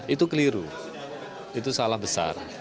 itu keliru itu salah besar